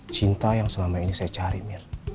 cinta yang selama ini saya cari mir